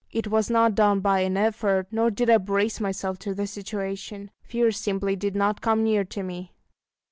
It was not done by an effort, nor did I brace myself to the situation: fear simply did not come near to me.